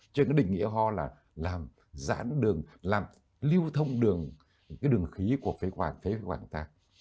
cho nên cái định nghĩa ho là làm giãn đường làm lưu thông đường cái đường khí của phế quản phế quản ta